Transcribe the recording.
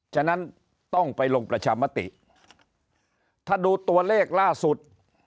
ฉะนั้นต้องไปลงประชามติถ้าดูตัวเลขล่าสุด